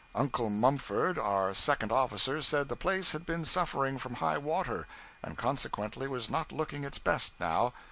'Uncle' Mumford, our second officer, said the place had been suffering from high water, and consequently was not looking its best now.